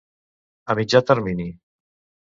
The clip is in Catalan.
A mitjà termini.